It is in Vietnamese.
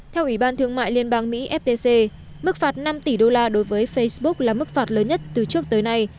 theo ủy ban thương mại liên bang mỹ ftc mức phạt năm tỷ đô la đối với facebook là mức phạt lớn nhất từ trước tới nay